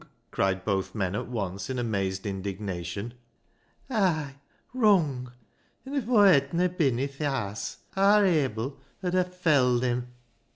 cried both men at once, in amazed indignation. " Ay, wrung ! An' if Aw hedna bin i' th' haase aar Abil 'ud a felled him.